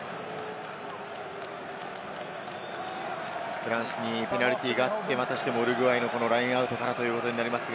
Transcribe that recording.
フランスにペナルティーがあって、またしてもウルグアイのラインアウトからということになります。